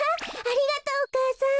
ありがとうお母さん。